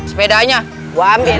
sepedanya gue ambil